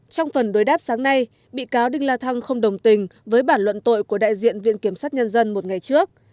trong phần đối đáp sáng nay bị cáo đinh la thăng không đồng tình với bản luận tội của đại diện viện kiểm sát nhân dân một ngày trước